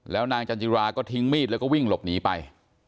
แล้วนางจันจิราก็ทิ้งมีดแล้วก็วิ่งหลบหนีไป